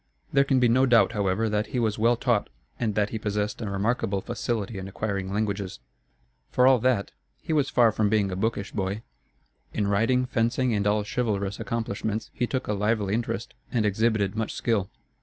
There can be no doubt, however, that he was well taught, and that he possessed a remarkable facility in acquiring languages. For all that, he was far from being a bookish boy. In riding, fencing, and all chivalrous accomplishments he took a lively interest and exhibited much skill.